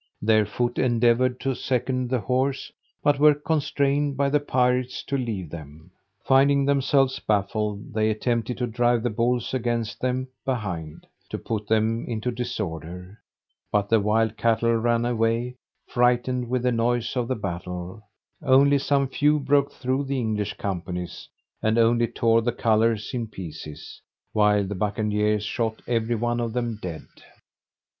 Their foot endeavoured to second the horse, but were constrained by the pirates to leave them. Finding themselves baffled, they attempted to drive the bulls against them behind, to put them into disorder; but the wild cattle ran away, frighted with the noise of the battle; only some few broke through the English companies, and only tore the colours in pieces, while the bucaniers shot every one of them dead.